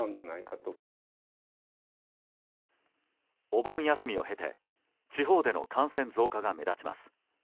お盆休みを経て地方での感染増加が目立ちます。